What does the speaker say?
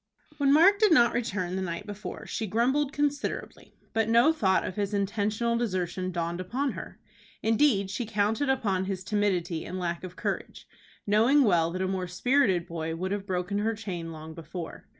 When Mark did not return the night before she grumbled considerably, but no thought of his intentional desertion dawned upon her. Indeed, she counted upon his timidity and lack of courage, knowing well that a more spirited boy would have broken her chain long before.